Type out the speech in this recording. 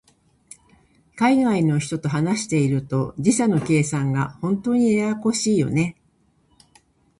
海外の人と話していると、時差の計算が本当にややこしいよね。